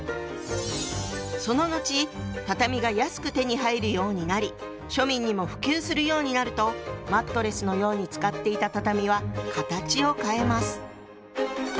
そののち畳が安く手に入るようになり庶民にも普及するようになるとマットレスのように使っていた畳は形を変えます。